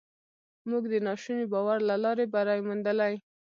موږ د ناشوني باور له لارې بری موندلی.